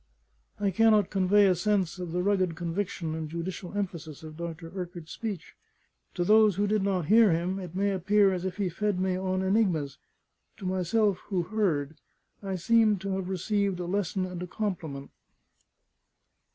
I cannot convey a sense of the rugged conviction and judicial emphasis of Dr. Urquart's speech. To those who did not hear him, it may appear as if he fed me on enigmas; to myself, who heard, I seemed to have received a lesson and a compliment.